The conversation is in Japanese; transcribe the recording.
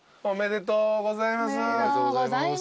おめでとうございます。